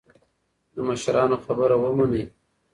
د مشرانو خبره ومنئ.